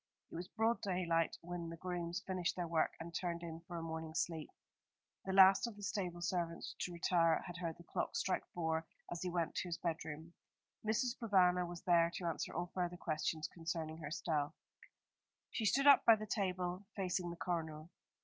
It was broad daylight when the grooms finished their work and turned in for a morning sleep. The last of the stable servants to retire had heard the clocks strike four as he went to his bedroom. Mrs. Provana was there to answer all further questions concerning herself. She stood up by the table, facing the coroner.